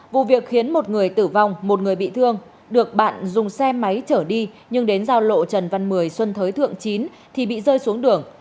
vụ việc khiến một người tử vong một người bị thương được bạn dùng xe máy chở đi nhưng đến giao lộ trần văn mười xuân thới thượng chín thì bị rơi xuống đường